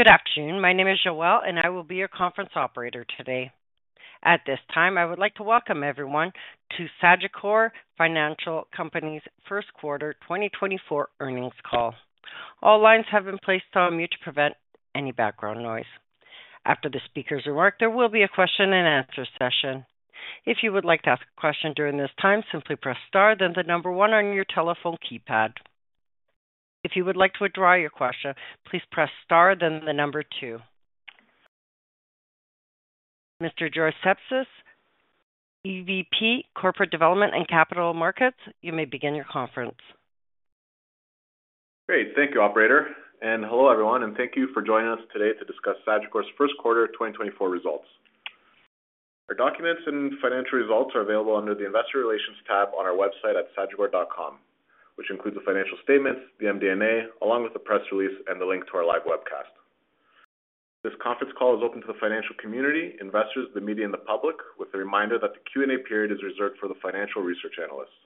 Good afternoon. My name is Joelle, and I will be your conference operator today. At this time, I would like to welcome everyone to Sagicor Financial Company's Q1 2024 Earnings Call. All lines have been placed on mute to prevent any background noise. After the speakers' remarks, there will be a question-and-answer session. If you would like to ask a question during this time, simply press star, then the number one on your telephone keypad. If you would like to withdraw your question, please press star, then the number two. Mr. George Sipsis, EVP, Corporate Development and Capital Markets, you may begin your conference. Great. Thank you, operator. And hello everyone, and thank you for joining us today to discuss Sagicor's Q1 2024 results. Our documents and financial results are available under the Investor Relations tab on our website at sagicor.com, which includes the financial statements, the MD&A, along with the press release and the link to our live webcast. This conference call is open to the financial community, investors, the media, and the public, with a reminder that the Q&A period is reserved for the financial research analysts.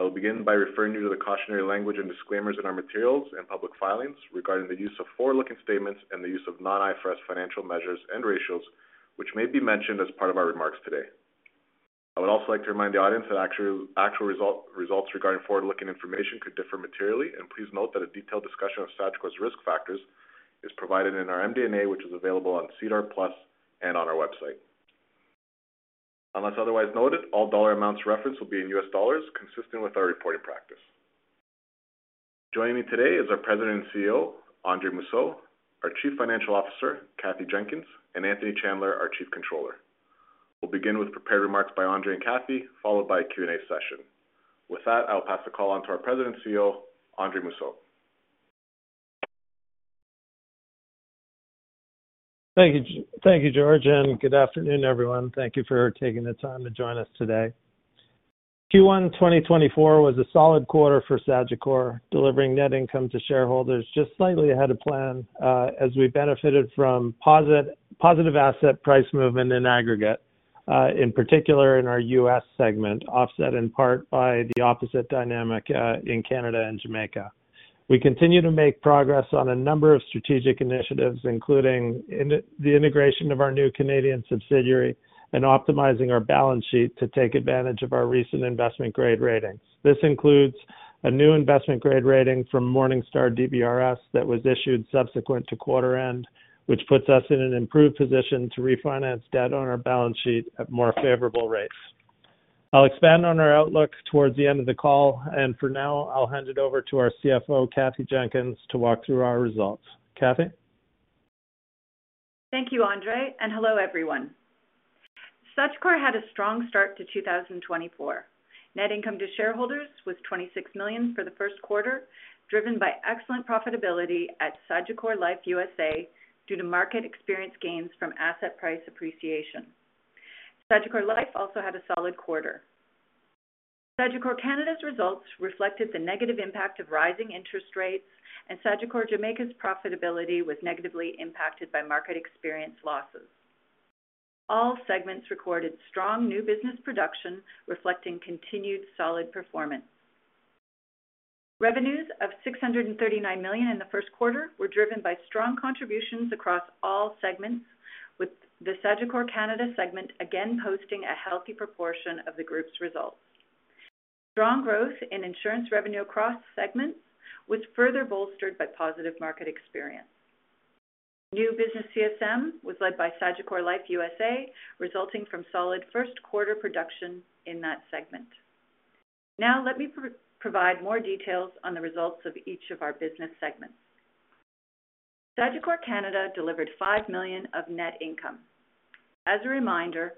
I will begin by referring you to the cautionary language and disclaimers in our materials and public filings regarding the use of forward-looking statements and the use of non-IFRS financial measures and ratios, which may be mentioned as part of our remarks today. I would also like to remind the audience that actual results regarding forward-looking information could differ materially, and please note that a detailed discussion of Sagicor's risk factors is provided in our MD&A, which is available on SEDAR+ and on our website. Unless otherwise noted, all dollar amounts referenced will be in US dollars, consistent with our reporting practice. Joining me today is our President and CEO, Andre Mousseau, our Chief Financial Officer, Kathy Jenkins, and Anthony Chandler, our Chief Controller. We'll begin with prepared remarks by Andre and Kathy, followed by a Q&A session. With that, I'll pass the call on to our President and CEO, Andre Mousseau. Thank you, George, and good afternoon, everyone. Thank you for taking the time to join us today. Q1 2024 was a solid quarter for Sagicor, delivering net income to shareholders just slightly ahead of plan as we benefited from positive asset price movement in aggregate, in particular in our US segment, offset in part by the opposite dynamic in Canada and Jamaica. We continue to make progress on a number of strategic initiatives, including the integration of our new Canadian subsidiary and optimizing our balance sheet to take advantage of our recent investment-grade ratings. This includes a new investment-grade rating from Morningstar DBRS that was issued subsequent to quarter-end, which puts us in an improved position to refinance debt on our balance sheet at more favorable rates. I'll expand on our outlook towards the end of the call, and for now, I'll hand it over to our CFO, Kathy Jenkins, to walk through our results. Kathy? Thank you, Andre, and hello everyone. Sagicor had a strong start to 2024. Net income to shareholders was $26 million for the Q1, driven by excellent profitability at Sagicor Life USA due to market experience gains from asset price appreciation. Sagicor Life also had a solid quarter. Sagicor Canada's results reflected the negative impact of rising interest rates, and Sagicor Jamaica's profitability was negatively impacted by market experience losses. All segments recorded strong new business production, reflecting continued solid performance. Revenues of $639 million in the Q1 were driven by strong contributions across all segments, with the Sagicor Canada segment again posting a healthy proportion of the group's results. Strong growth in insurance revenue across segments was further bolstered by positive market experience. New business CSM was led by Sagicor Life USA, resulting from solid Q1 production in that segment. Now, let me provide more details on the results of each of our business segments. Sagicor Canada delivered $5 million of net income. As a reminder,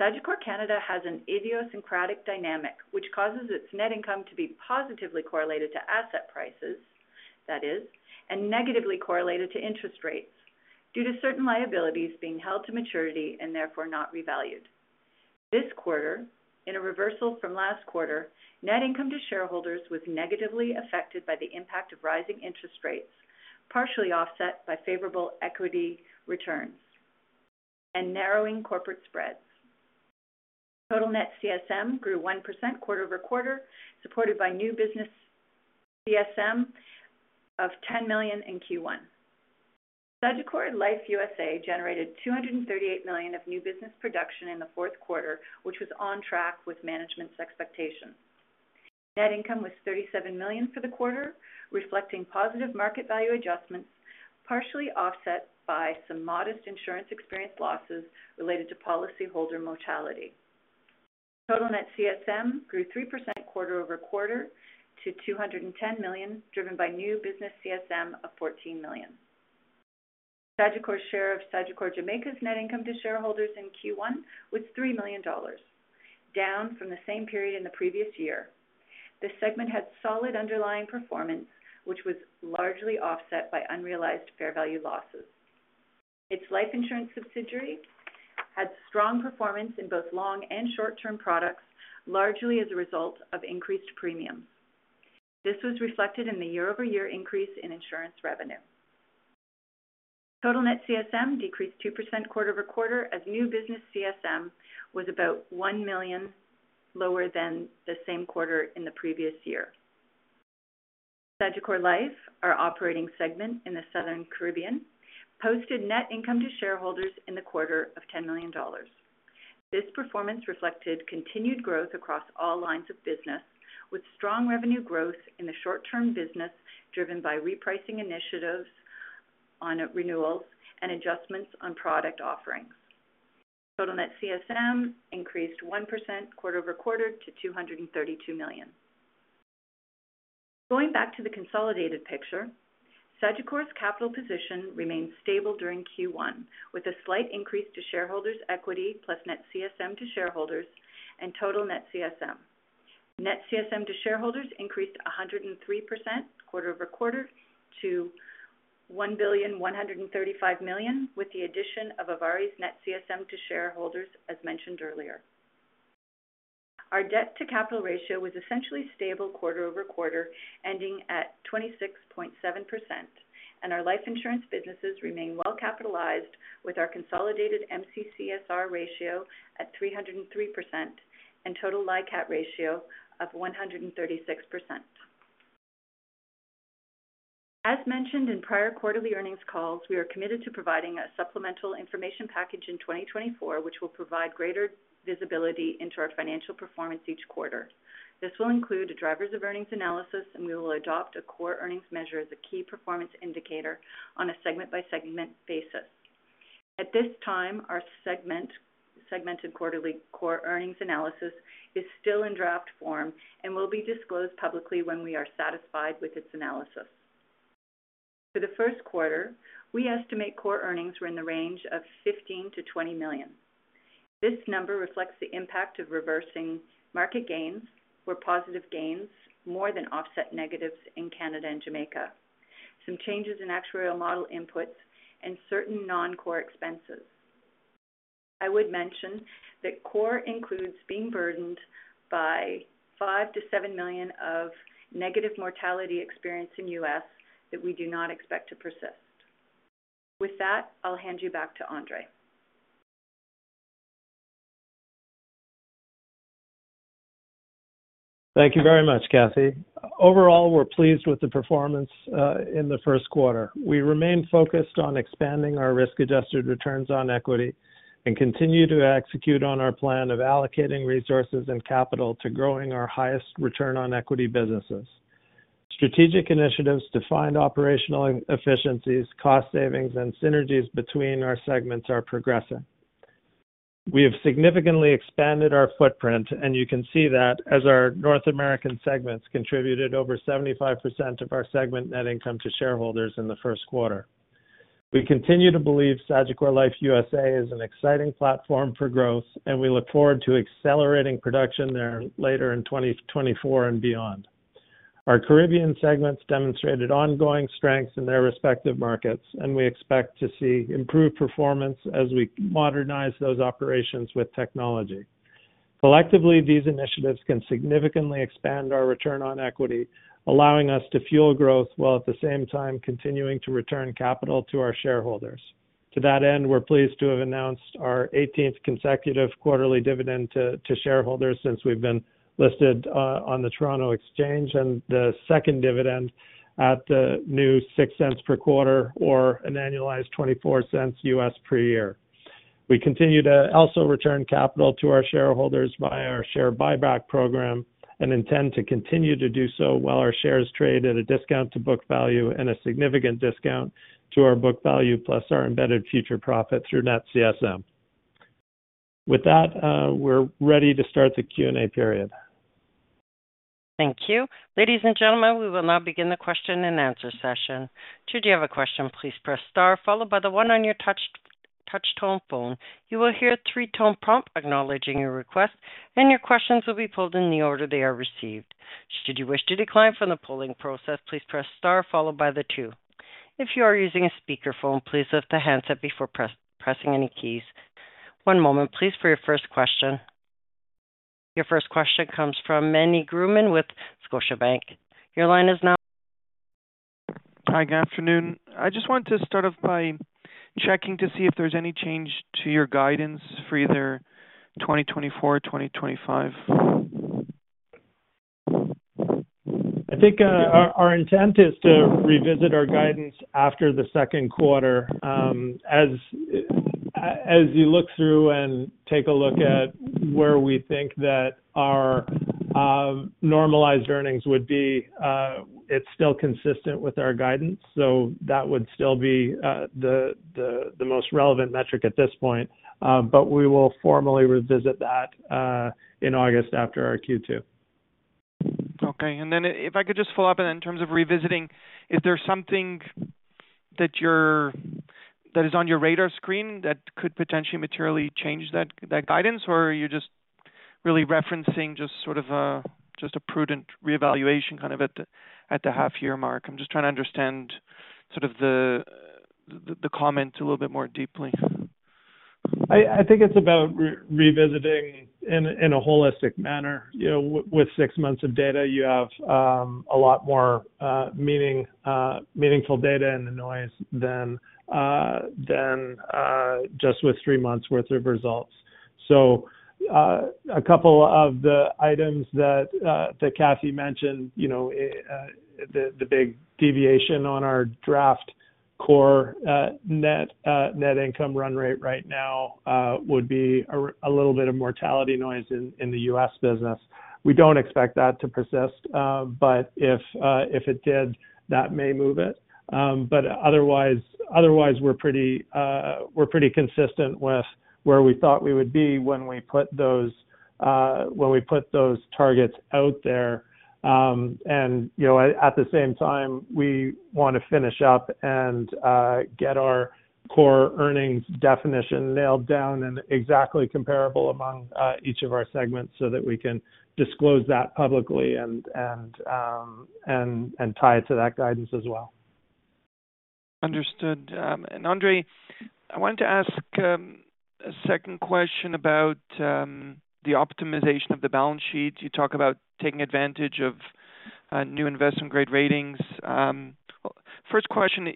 Sagicor Canada has an idiosyncratic dynamic which causes its net income to be positively correlated to asset prices, that is, and negatively correlated to interest rates due to certain liabilities being held to maturity and therefore not revalued. This quarter, in a reversal from last quarter, net income to shareholders was negatively affected by the impact of rising interest rates, partially offset by favorable equity returns, and narrowing corporate spreads. Total net CSM grew 1% quarter-over-quarter, supported by new business CSM of $10 million in Q1. Sagicor Life USA generated $238 million of new business production in the Q4, which was on track with management's expectations. Net income was $37 million for the quarter, reflecting positive market value adjustments, partially offset by some modest insurance experience losses related to policyholder mortality. Total net CSM grew 3% quarter-over-quarter to $210 million, driven by new business CSM of $14 million. Sagicor's share of Sagicor Jamaica's net income to shareholders in Q1 was $3 million, down from the same period in the previous year. This segment had solid underlying performance, which was largely offset by unrealized fair value losses. Its life insurance subsidiary had strong performance in both long- and short-term products, largely as a result of increased premiums. This was reflected in the year-over-year increase in insurance revenue. Total net CSM decreased 2% quarter-over-quarter as new business CSM was about $1 million lower than the same quarter in the previous year. Sagicor Life, our operating segment in the Southern Caribbean, posted net income to shareholders in the quarter of $10 million. This performance reflected continued growth across all lines of business, with strong revenue growth in the short-term business driven by repricing initiatives on renewals and adjustments on product offerings. Total net CSM increased 1% quarter-over-quarter to $232 million. Going back to the consolidated picture, Sagicor's capital position remained stable during Q1, with a slight increase to shareholders' equity plus net CSM to shareholders and total net CSM. Net CSM to shareholders increased 103% quarter-over-quarter to $1,135 million, with the addition of ivari's net CSM to shareholders, as mentioned earlier. Our debt-to-capital ratio was essentially stable quarter-over-quarter, ending at 26.7%, and our life insurance businesses remain well-capitalized, with our consolidated MCCSR ratio at 303% and total LICAT ratio of 136%. As mentioned in prior quarterly earnings calls, we are committed to providing a supplemental information package in 2024, which will provide greater visibility into our financial performance each quarter. This will include a drivers of earnings analysis, and we will adopt a core earnings measure as a key performance indicator on a segment-by-segment basis. At this time, our segmented quarterly core earnings analysis is still in draft form and will be disclosed publicly when we are satisfied with its analysis. For the Q1, we estimate core earnings were in the range of $15-$20 million. This number reflects the impact of reversing market gains or positive gains more than offset negatives in Canada and Jamaica, some changes in actuarial model inputs, and certain non-core expenses. I would mention that core includes being burdened by $5-7 million of negative mortality experience in U.S. that we do not expect to persist. With that, I'll hand you back to Andre. Thank you very much, Kathy. Overall, we're pleased with the performance in the Q1. We remain focused on expanding our risk-adjusted returns on equity and continue to execute on our plan of allocating resources and capital to growing our highest return on equity businesses. Strategic initiatives to find operational efficiencies, cost savings, and synergies between our segments are progressing. We have significantly expanded our footprint, and you can see that as our North American segments contributed over 75% of our segment net income to shareholders in the Q1. We continue to believe Sagicor Life USA is an exciting platform for growth, and we look forward to accelerating production there later in 2024 and beyond. Our Caribbean segments demonstrated ongoing strength in their respective markets, and we expect to see improved performance as we modernize those operations with technology. Collectively, these initiatives can significantly expand our return on equity, allowing us to fuel growth while at the same time continuing to return capital to our shareholders. To that end, we're pleased to have announced our 18th consecutive quarterly dividend to shareholders since we've been listed on the Toronto Stock Exchange, and the second dividend at the new $0.06 per quarter or an annualized $0.24 per year. We continue to also return capital to our shareholders via our share buyback program and intend to continue to do so while our shares trade at a discount to book value and a significant discount to our book value plus our embedded future profit through net CSM. With that, we're ready to start the Q&A period. Thank you. Ladies and gentlemen, we will now begin the question-and-answer session. Should you have a question, please press star, followed by the one on your touch-tone phone. You will hear a three-tone prompt acknowledging your request, and your questions will be pulled in the order they are received. Should you wish to decline from the polling process, please press star, followed by the two. If you are using a speakerphone, please lift the handset before pressing any keys. One moment, please, for your first question. Your first question comes from Meny Grauman with Scotiabank. Your line is now. Hi, good afternoon. I just wanted to start off by checking to see if there's any change to your guidance for either 2024 or 2025. I think our intent is to revisit our guidance after the Q2. As you look through and take a look at where we think that our normalized earnings would be, it's still consistent with our guidance, so that would still be the most relevant metric at this point. But we will formally revisit that in August after our Q2. Okay. And then if I could just follow up, and then in terms of revisiting, is there something that is on your radar screen that could potentially materially change that guidance, or are you just really referencing just sort of a prudent reevaluation kind of at the half-year mark? I'm just trying to understand sort of the comment a little bit more deeply. I think it's about revisiting in a holistic manner. With six months of data, you have a lot more meaningful data and the noise than just with three months' worth of results. So a couple of the items that Kathy mentioned, the big deviation on our draft core net income run rate right now would be a little bit of mortality noise in the U.S. business. We don't expect that to persist, but if it did, that may move it. But otherwise, we're pretty consistent with where we thought we would be when we put those targets out there. And at the same time, we want to finish up and get our core earnings definition nailed down and exactly comparable among each of our segments so that we can disclose that publicly and tie it to that guidance as well. Understood. Andre, I wanted to ask a second question about the optimization of the balance sheet. You talk about taking advantage of new investment-grade ratings. First question,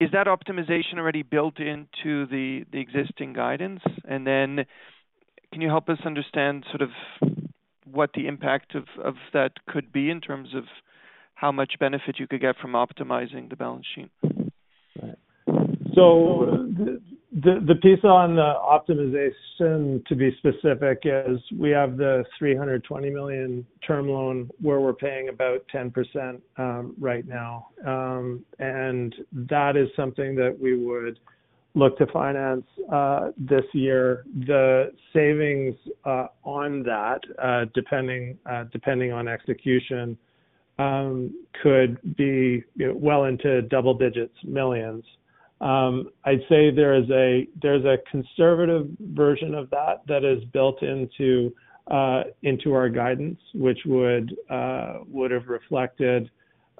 is that optimization already built into the existing guidance? And then can you help us understand sort of what the impact of that could be in terms of how much benefit you could get from optimizing the balance sheet? So the piece on the optimization, to be specific, is we have the $320 million term loan where we're paying about 10% right now. And that is something that we would look to finance this year. The savings on that, depending on execution, could be well into double digits, millions. I'd say there is a conservative version of that that is built into our guidance, which would have reflected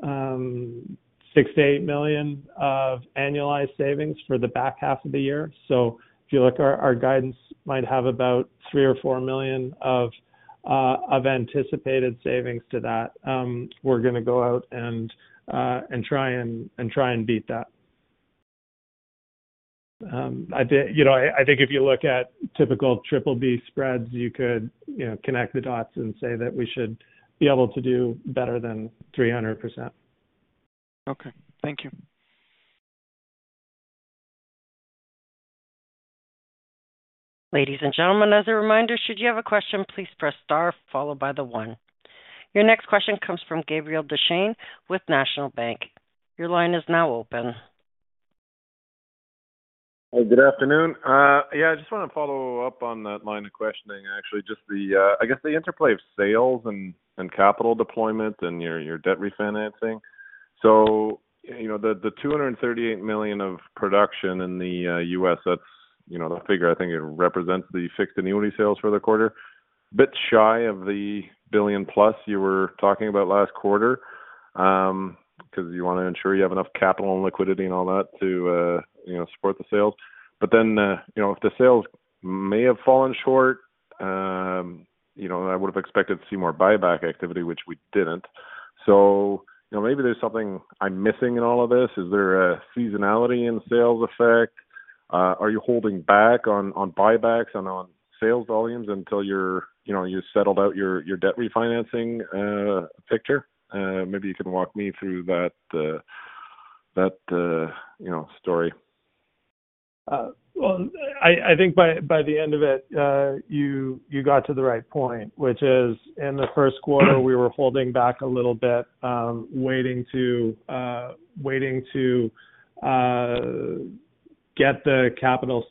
$6-$8 million of annualized savings for the back half of the year. So if you look, our guidance might have about $3 or $4 million of anticipated savings to that. We're going to go out and try and beat that. I think if you look at typical BBB spreads, you could connect the dots and say that we should be able to do better than 300%. Okay. Thank you. Ladies and gentlemen, as a reminder, should you have a question, please press star, followed by the 1. Your next question comes from Gabriel Dechaine with National Bank. Your line is now open. Hey, good afternoon. Yeah, I just want to follow up on that line of questioning, actually, just the I guess the interplay of sales and capital deployment and your debt refinancing. So the $238 million of production in the U.S., that's the figure I think it represents the fixed annuity sales for the quarter, a bit shy of the $1 billion-plus you were talking about last quarter because you want to ensure you have enough capital and liquidity and all that to support the sales. But then if the sales may have fallen short, I would have expected to see more buyback activity, which we didn't. So maybe there's something I'm missing in all of this. Is there a seasonality in sales effect? Are you holding back on buybacks and on sales volumes until you've settled out your debt refinancing picture? Maybe you can walk me through that story. Well, I think by the end of it, you got to the right point, which is in the Q1, we were holding back a little bit, waiting to get the capital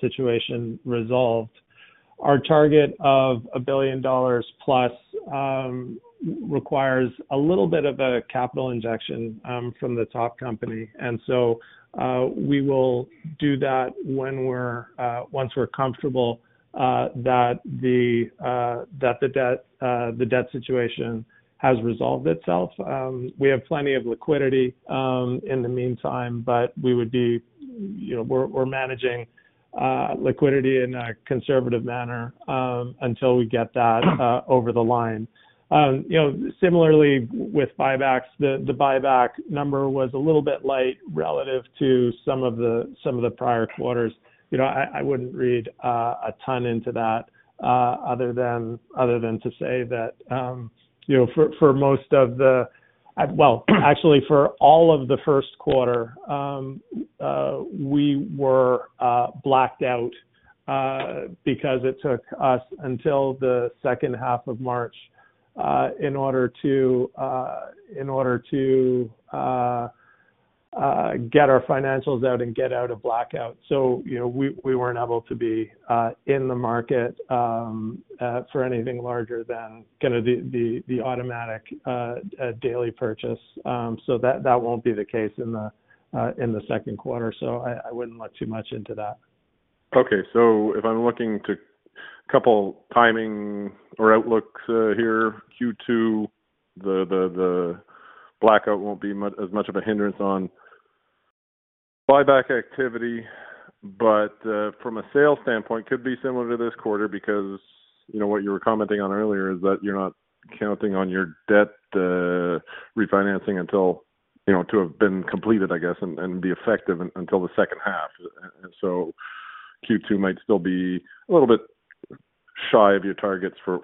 situation resolved. Our target of $1 billion-plus requires a little bit of a capital injection from the top company. And so we will do that once we're comfortable that the debt situation has resolved itself. We have plenty of liquidity in the meantime, but we're managing liquidity in a conservative manner until we get that over the line. Similarly, with buybacks, the buyback number was a little bit light relative to some of the prior quarters. I wouldn't read a ton into that other than to say that for most of the well, actually, for all of the Q1, we were blacked out because it took us until the second half of March in order to get our financials out and get out of blackout. So we weren't able to be in the market for anything larger than kind of the automatic daily purchase. So that won't be the case in the Q2. So I wouldn't look too much into that. Okay. So if I'm looking to a couple timing or outlooks here, Q2, the blackout won't be as much of a hindrance on buyback activity, but from a sales standpoint, could be similar to this quarter because what you were commenting on earlier is that you're not counting on your debt refinancing until to have been completed, I guess, and be effective until the second half. And so Q2 might still be a little bit shy of your targets for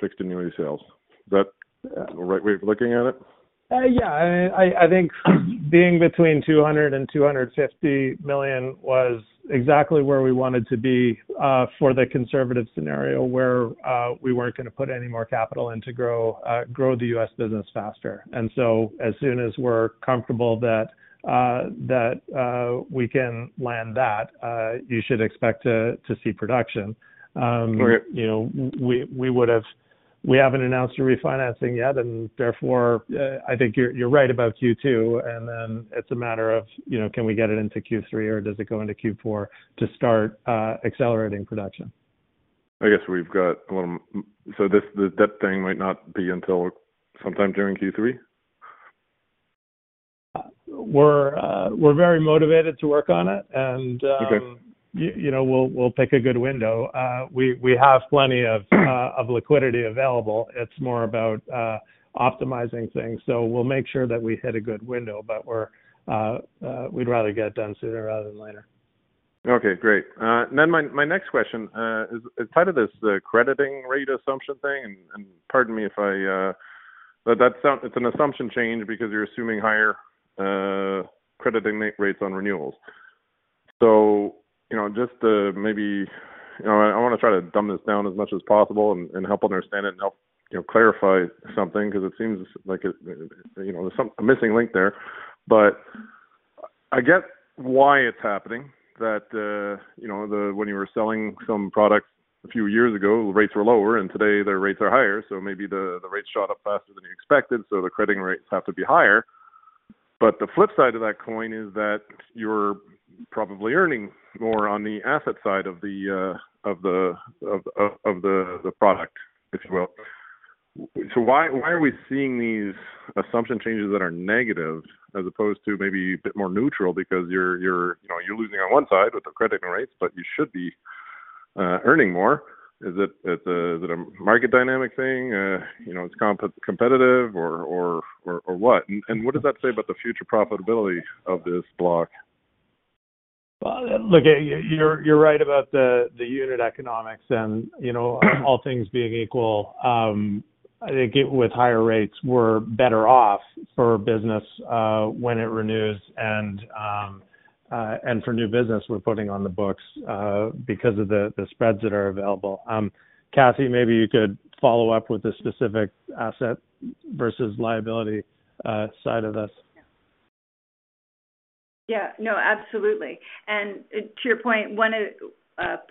fixed annuity sales. Is that the right way of looking at it? Yeah. I mean, I think being between $200 and $250 million was exactly where we wanted to be for the conservative scenario where we weren't going to put any more capital in to grow the US business faster. And so as soon as we're comfortable that we can land that, you should expect to see production. We haven't announced a refinancing yet, and therefore, I think you're right about Q2. And then it's a matter of can we get it into Q3, or does it go into Q4 to start accelerating production? I guess we've got a little so this debt thing might not be until sometime during Q3? We're very motivated to work on it, and we'll pick a good window. We have plenty of liquidity available. It's more about optimizing things. So we'll make sure that we hit a good window, but we'd rather get it done sooner rather than later. Okay. Great. And then my next question is tied to this crediting rate assumption thing. And pardon me if I but it's an assumption change because you're assuming higher crediting rates on renewals. So just to maybe I want to try to dumb this down as much as possible and help understand it and help clarify something because it seems like there's a missing link there. But I get why it's happening, that when you were selling some products a few years ago, the rates were lower, and today their rates are higher. So maybe the rates shot up faster than you expected, so the crediting rates have to be higher. But the flip side of that coin is that you're probably earning more on the asset side of the product, if you will. So why are we seeing these assumption changes that are negative as opposed to maybe a bit more neutral because you're losing on one side with the crediting rates, but you should be earning more? Is it a market dynamic thing? It's competitive, or what? And what does that say about the future profitability of this block? Well, look, you're right about the unit economics and all things being equal. I think with higher rates, we're better off for business when it renews and for new business we're putting on the books because of the spreads that are available. Kathy, maybe you could follow up with the specific asset versus liability side of this. Yeah. No, absolutely. And to your point,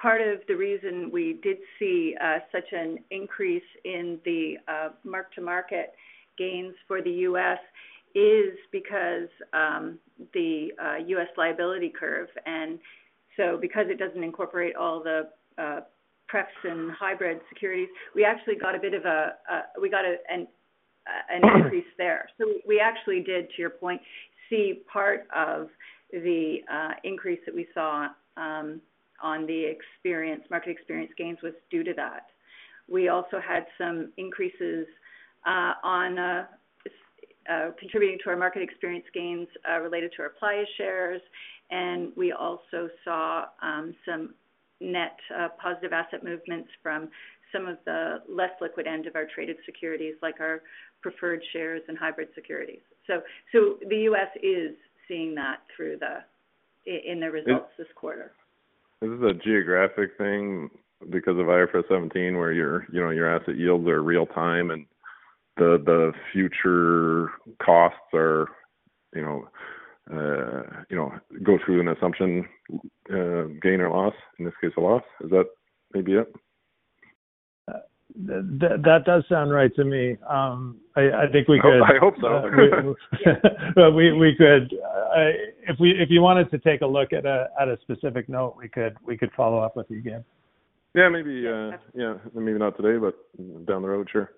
part of the reason we did see such an increase in the mark-to-market gains for the U.S. is because the U.S. liability curve and so because it doesn't incorporate all the prefs and hybrid securities, we actually got an increase there. So we actually did, to your point, see part of the increase that we saw on the market experience gains was due to that. We also had some increases contributing to our market experience gains related to our private shares, and we also saw some net positive asset movements from some of the less liquid end of our traded securities like our preferred shares and hybrid securities. So the U.S. is seeing that in the results this quarter. Is this a geographic thing because of IFRS 17 where your asset yields are real-time and the future costs go through an assumption gain or loss, in this case, a loss? Is that maybe it? That does sound right to me. I think we could. I hope so. We could if you wanted to take a look at a specific note, we could follow up with you again. Yeah. Yeah. Maybe not today, but down the road, sure.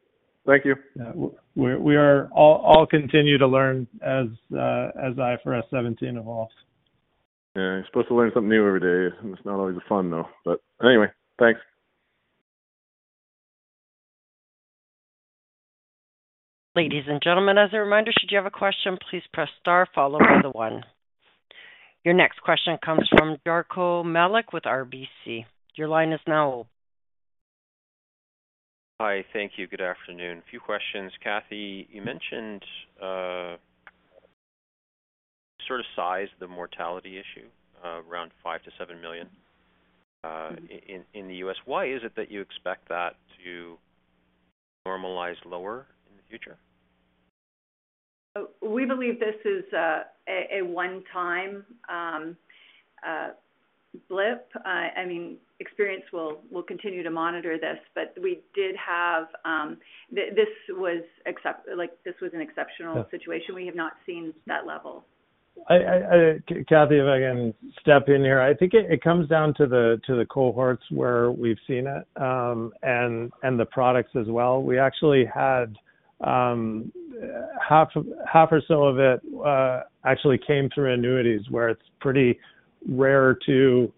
Thank you. Yeah. We all continue to learn as IFRS 17 evolves. Yeah. You're supposed to learn something new every day. It's not always fun, though. Anyway, thanks. Ladies and gentlemen, as a reminder, should you have a question, please press star, followed by the one. Your next question comes from Darko Mihelic with RBC. Your line is now open. Hi. Thank you. Good afternoon. A few questions. Kathy, you mentioned sort of size the mortality issue, around $5-$7 million in the US. Why is it that you expect that to normalize lower in the future? We believe this is a one-time blip. I mean, we will continue to monitor this, but we did have. This was an exceptional situation. We have not seen that level. Kathy, if I can step in here, I think it comes down to the cohorts where we've seen it and the products as well. We actually had half or so of it actually came through annuities where it's pretty rare to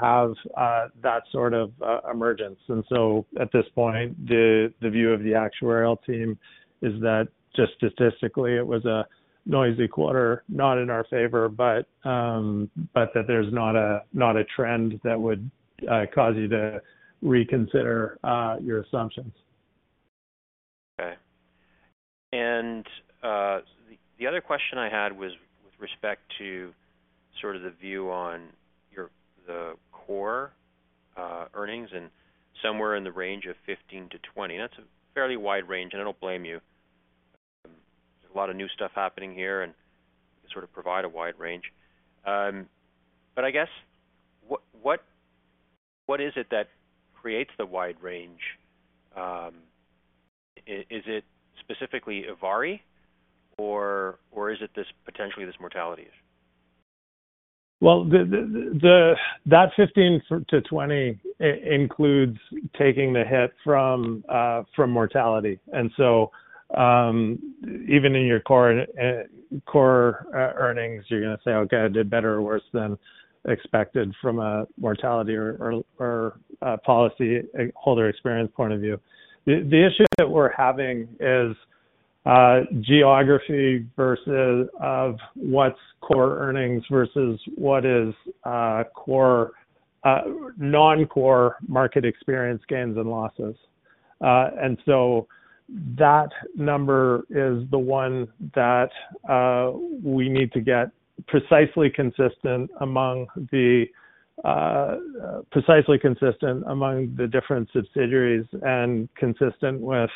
have that sort of emergence. And so at this point, the view of the actuarial team is that just statistically, it was a noisy quarter, not in our favor, but that there's not a trend that would cause you to reconsider your assumptions. Okay. And the other question I had was with respect to sort of the view on the Core Earnings and somewhere in the range of 15%-20%. And that's a fairly wide range, and I don't blame you. There's a lot of new stuff happening here, and we can sort of provide a wide range. But I guess what is it that creates the wide range? Is it specifically ivari, or is it potentially this mortality issue? Well, that 15-20 includes taking the hit from mortality. And so even in your Core Earnings, you're going to say, "Okay. I did better or worse than expected from a mortality or policyholder experience point of view." The issue that we're having is geography versus of what's Core Earnings versus what is non-core market experience gains and losses. And so that number is the one that we need to get precisely consistent among the precisely consistent among the different subsidiaries and consistent with,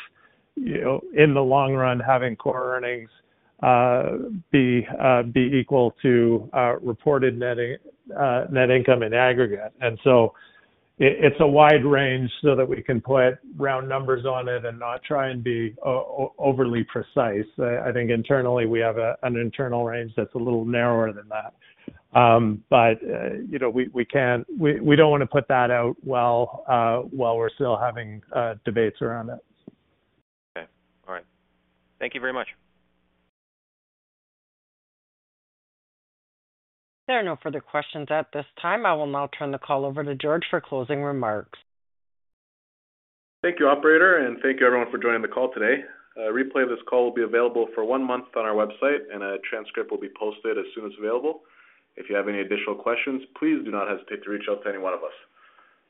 in the long run, having Core Earnings be equal to reported net income in aggregate. And so it's a wide range so that we can put round numbers on it and not try and be overly precise. I think internally, we have an internal range that's a little narrower than that. But we don't want to put that out while we're still having debates around it. Okay. All right. Thank you very much. There are no further questions at this time. I will now turn the call over to George for closing remarks. Thank you, operator, and thank you, everyone, for joining the call today. A replay of this call will be available for one month on our website, and a transcript will be posted as soon as available. If you have any additional questions, please do not hesitate to reach out to any one of us.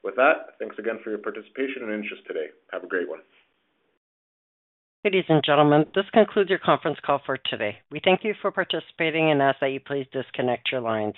With that, thanks again for your participation and interest today. Have a great one. Ladies and gentlemen, this concludes your conference call for today. We thank you for participating and ask that you please disconnect your lines.